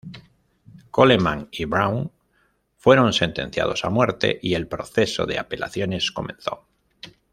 Coleman y Brown fueron sentenciados a muerte y el proceso de apelaciones comenzó.